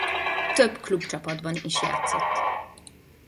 Több klubcsapatban is játszott.